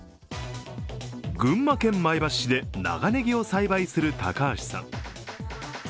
群馬県前橋市で長ネギを栽培する高橋さん。